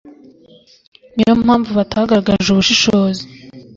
Ni yo mpamvu batagaragaje ubushishozi